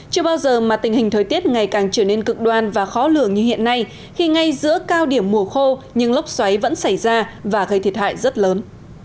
chưa bao giờ mà tình hình thời tiết ngày càng trở nên cực đoan và khó lường như hiện nay khi ngay giữa cao điểm mùa khô nhưng lốc xoáy vẫn xảy ra và gây thiệt hại rất lớn